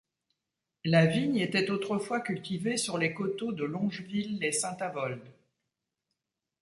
La vigne était autrefois cultivée sur les coteaux de Longeville-lès-Saint-Avold.